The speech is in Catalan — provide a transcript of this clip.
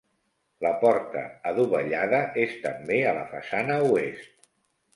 La porta, adovellada, és també a la façana oest.